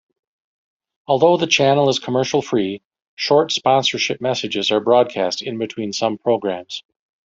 Although the channel is commercial-free, short sponsorship messages are broadcast in between some programmes.